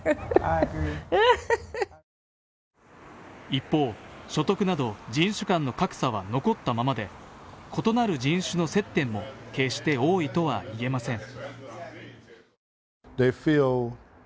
一方、所得など人種間の格差は残ったままで異なる人種の接点も決して多いとは言えません。